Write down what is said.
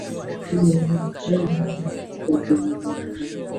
我的老天鹅啊